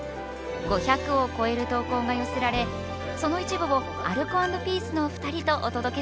５００を超える投稿が寄せられその一部をアルコ＆ピースのお二人とお届けします